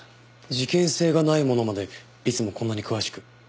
事件性がないものまでいつもこんなに詳しく？